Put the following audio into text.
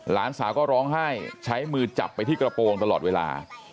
หลานสาวก็ร้องไห้ใช้มือจับไปที่กระโปรงตลอดเวลา